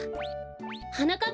はなかっ